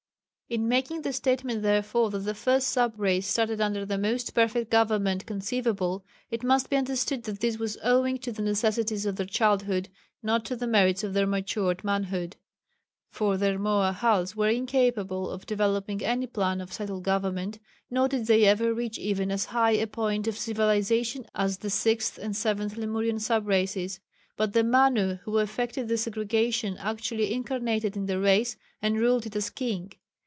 In making the statement therefore that the 1st sub race started under the most perfect government conceivable, it must be understood that this was owing to the necessities of their childhood, not to the merits of their matured manhood. For the Rmoahals were incapable of developing any plan of settled government, nor did they ever reach even as high a point of civilization as the 6th and 7th Lemurian sub races. But the Manu who effected the segregation actually incarnated in the race and ruled it as king.